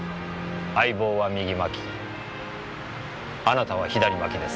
相棒は右巻きあなたは左巻きです。